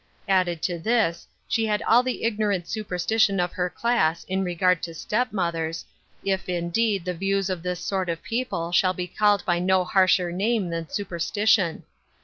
Added to this, she had all the ignorant superstition of her class in regard to step mothers, if, indeed the views of this sort of people shall be called by no harsher name than superstition.